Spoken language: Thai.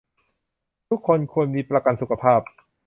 ทุกคนควรมีประกันสุขภาพ